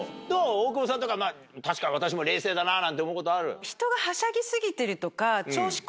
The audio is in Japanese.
大久保さんとか確かに私も冷静だななんて思うことある？